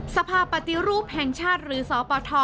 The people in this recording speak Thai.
สภาพปฏิรูปแห่งชาติหรือสปท